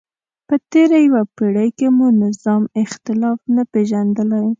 په تېره یوه پیړۍ کې مو نظام اختلاف نه پېژندلی.